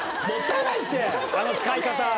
あの使い方。